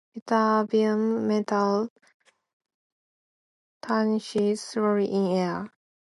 Ytterbium metal tarnishes slowly in air.